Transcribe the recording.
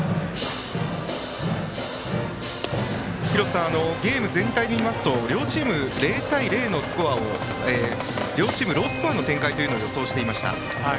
廣瀬さん、ゲーム全体で見ると両チーム、ロースコアの展開を予想していました。